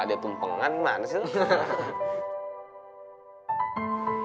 dia tumpeng kan gimana sih